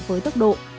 với tốc độ